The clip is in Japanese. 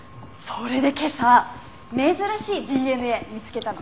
それで今朝珍しいＤＮＡ見つけたの。